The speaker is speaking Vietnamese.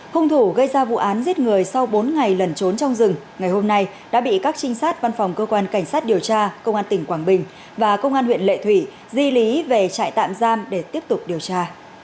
hung thủ gây ra vụ án giết người sau bốn ngày lần trốn trong rừng ngày hôm nay đã bị các trinh sát văn phòng cơ quan cảnh sát điều tra công an tỉnh quảng bình và công an huyện lệ thủy di lý về trại tạm giam để tiếp tục điều tra